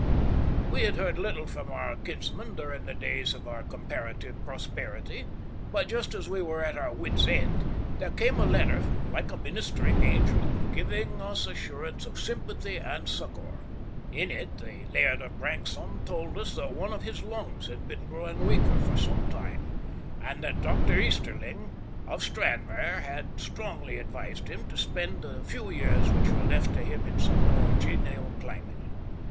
We had heard little from our kinsman during the days of our comparative prosperity, but just as we were at our wit's end, there came a letter like a ministering angel, giving us assurance of sympathy and succour. In it the Laird of Branksome told us that one of his lungs had been growing weaker for some time, and that Dr. Easterling, of Stranraer, had strongly advised him to spend the few years which were left to him in some more genial climate.